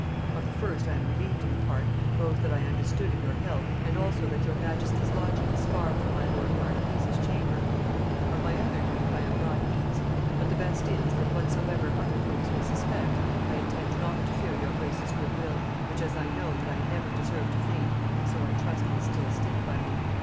Of the first I am relieved in a part, both that I understood of your health, and also that your majesty's lodging is far from my lord marques' chamber: of my other grief I am not eased; but the best is, that whatsoever other folks will suspect, I intend not to fear your grace's good will, which as I know that I never deserved to faint, so I trust will still stick by me.